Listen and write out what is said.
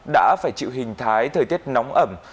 đã phải chịu hình thái thời tiết nóng ẩm